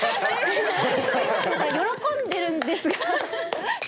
喜んでるんですが。